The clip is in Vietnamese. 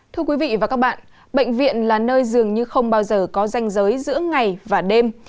thưa quý vị và các bạn bệnh viện là nơi dường như không bao giờ có danh giới giữa ngày và đêm